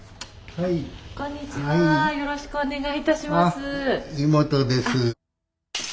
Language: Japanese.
はい。